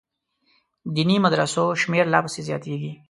دیني مدرسو شمېر لا پسې زیاتېږي.